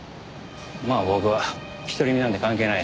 まあ僕は独り身なんで関係ないですけど。